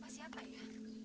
bapak siapa ya